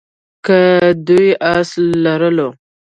که دوی آس لرلو.